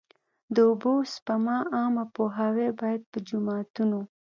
د اوبو سپما عامه پوهاوی باید په جوماتونو.